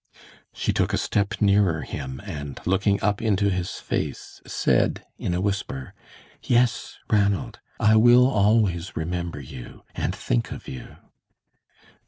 She took a step nearer him, and looking up into his face, said, in a whisper, "Yes, Ranald, I will always remember you, and think of you."